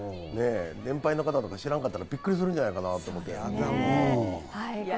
年配の方とか知らんかったら、びっくりするんじゃないですかね。